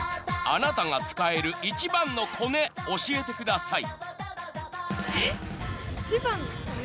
［あなたが使える一番のコネ教えてください］